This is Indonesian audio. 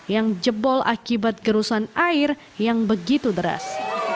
yang jebol akibat gerusan air yang begitu deras